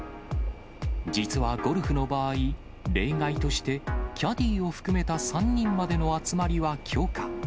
実はゴルフの場合、例外として、キャディーを含めた３人までの集まりは許可。